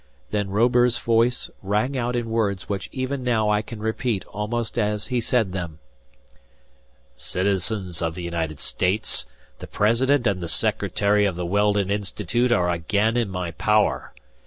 Then Robur's voice rang out in words which even now I can repeat almost as he said them: "Citizens of the United States, the president and the secretary of the Weldon Institute are again in my power.